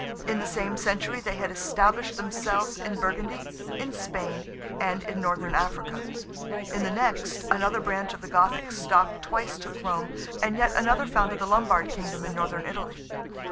In the same century they had established themselves in Burgundy, in Spain, and in Northern Africa; in the next, another branch of the Gothic stock twice took Rome; and yet another founded the Lombard Kingdom in Northern Italy.